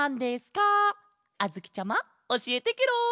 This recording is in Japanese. あづきちゃまおしえてケロ！